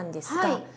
はい。